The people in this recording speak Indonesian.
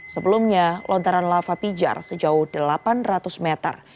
sebelumnya lontaran lava pijar sejauh delapan ratus meter